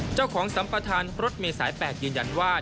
เจ้าของสัมปทานรถมีสายแปลกยืนยันว่า